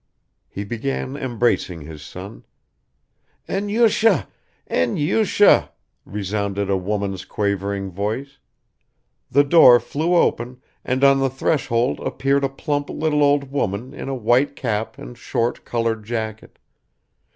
He began embracing his son ... "Enyusha, Enyusha," resounded a woman's quavering voice. The door flew open and on the threshold appeared a plump little old woman in a white cap and short colored jacket.